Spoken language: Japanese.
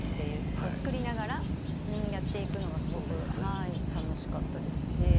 作りながらやっていくのがすごく楽しかったですし。